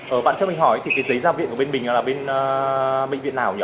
ờ bạn cho mình hỏi thì cái giấy ra viện của bên mình là bên bệnh viện nào nhỉ